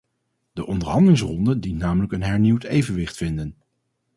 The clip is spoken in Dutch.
De onderhandelingsronde dient namelijk een hernieuwd evenwicht vinden.